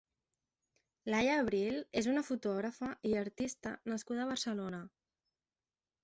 Laia Abril és una fotògrafa i artista nascuda a Barcelona.